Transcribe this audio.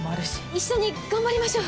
一緒に頑張りましょう。